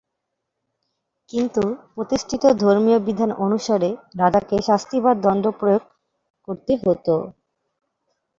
কিন্তু প্রতিষ্ঠিত ধর্মীয় বিধান অনুসারে রাজাকে শাস্তি বা দন্ড প্রয়োগ করতে হতো।